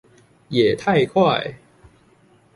也太快